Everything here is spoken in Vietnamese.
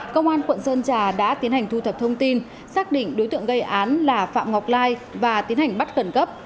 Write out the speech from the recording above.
công an quận sơn trà đã tiến hành thu thập thông tin xác định đối tượng gây án là phạm ngọc lai và tiến hành bắt khẩn cấp